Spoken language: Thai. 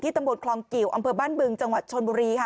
ตำบลคลองกิวอำเภอบ้านบึงจังหวัดชนบุรีค่ะ